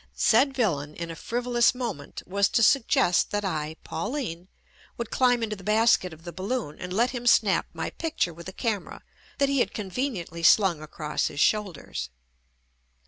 Said villain in a frivolous moment was to suggest that I, Pau line, would climb into the basket of the bal loon and let him snap my picture with a cam era that he had conveniently slung across his shoulders.